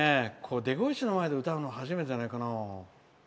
Ｄ５１の前で歌うの初めてじゃないかな。